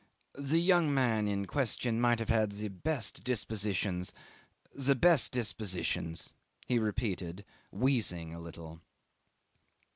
The young man in question might have had the best dispositions the best dispositions," he repeated, wheezing a little.